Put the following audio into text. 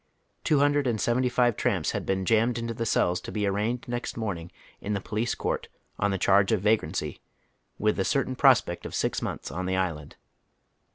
Two hundred and seventy five tramps had been jammed into the cells to be arraigned next morn ing in^the police court on the charge of vagrancy, with the certain prospect of si.x months " on the Island."